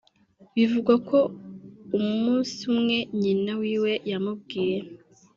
Bivugwa ko umusi umwe nyina wiwe yamubwiye